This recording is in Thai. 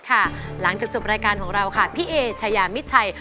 หลังจากจบรายการของเราค่ะพี่เอชายามิดชัย